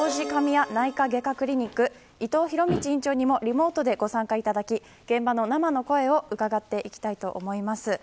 王子神谷内科外科クリニック伊藤博道院長にもリモートでご参加いただき現場の生の声を伺っていきたいと思います。